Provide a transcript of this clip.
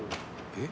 「えっ？